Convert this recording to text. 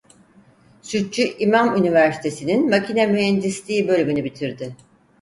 Sütçü İmam Üniversitesi'nin Makine Mühendisliği Bölümü'nü bitirdi.